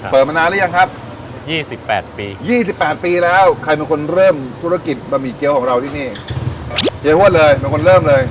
มานานหรือยังครับ๒๘ปี๒๘ปีแล้วใครเป็นคนเริ่มธุรกิจบะหมี่เกี้ยวของเราที่นี่เจ๊ฮวดเลยเป็นคนเริ่มเลย